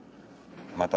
また